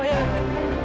ya ya pak